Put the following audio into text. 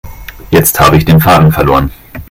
Jetzt habe ich den Faden verloren.